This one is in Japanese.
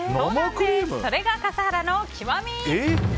それが笠原の極み！